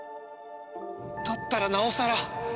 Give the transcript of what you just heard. だったらなおさら！